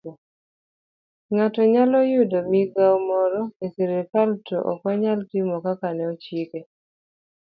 Ng'ato nyalo yudo migawo moro e sirkal to okonyal timo kaka ne ochike